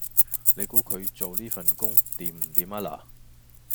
你估佢做呢份工掂唔掂吖嗱